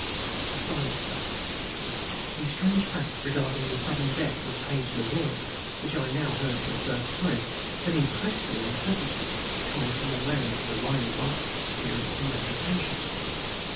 A silence fell. The strange facts regarding the sudden death of Page le Roi, which I now heard for the first time, had impressed me unpleasantly, coming from a man of Sir Lionel Barton's experience and reputation.